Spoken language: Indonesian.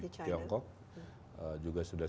tiongkok juga sudah